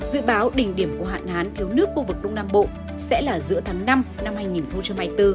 dự báo đỉnh điểm của hạn hán thiếu nước khu vực đông nam bộ sẽ là giữa tháng năm năm hai nghìn hai mươi bốn